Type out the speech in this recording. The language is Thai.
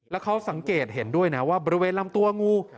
แล้วเขาสังเกตเห็นด้วยนะว่าบริเวณลำตัวงู